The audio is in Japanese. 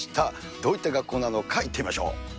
どういった学校なのか、行ってみましょう。